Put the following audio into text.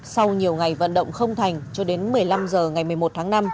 sau nhiều ngày vận động không thành cho đến một mươi năm h ngày một mươi một tháng năm